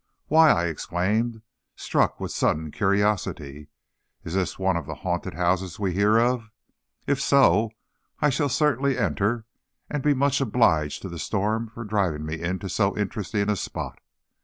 "Why," I exclaimed, struck with sudden curiosity, "is this one of the haunted houses we hear of? If so, I shall certainly enter, and be much obliged to the storm for driving me into so interesting a spot."